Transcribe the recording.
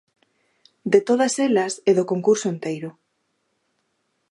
De todas elas e do concurso enteiro.